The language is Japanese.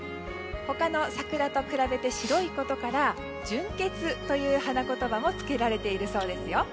他の桜と比べて白いことから純潔という花言葉もつけられているそうですよ。